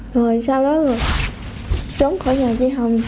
rồi sau đó trốn khỏi nhà chị hồng